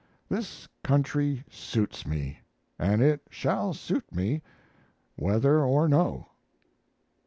This country suits me, and it shall suit me whether or no.